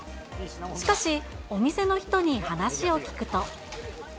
しかし、お店の人に話を聞くと。